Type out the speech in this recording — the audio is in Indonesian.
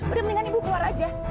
udah mendingan ibu keluar aja